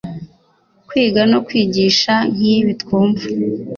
Kwiga no kwigisha nk’ibi twumva